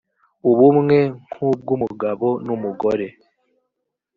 ubumwe nk’ubw’umugabo n’umugore